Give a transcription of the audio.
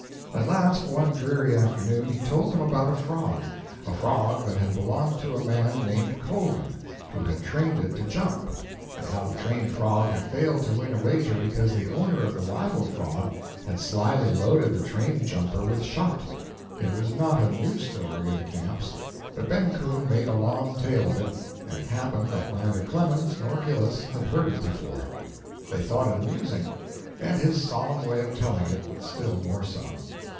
At last, one dreary afternoon, he told them about a frog a frog that had belonged to a man named Coleman, who had trained it to jump, and how the trained frog had failed to win a wager because the owner of the rival frog had slyly loaded the trained jumper with shot. It was not a new story in the camps, but Ben Coon made a long tale of it, and it happened that neither Clemens nor Gillis had heard it before. They thought it amusing, and his solemn way of telling it still more so.